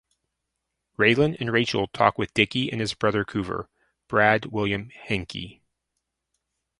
Raylan and Rachel talk with Dickie and his brother Coover (Brad William Henke).